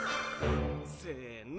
せの。